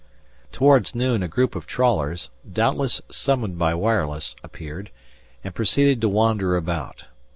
Towards noon a group of trawlers, doubtless summoned by wireless, appeared, and proceeded to wander about.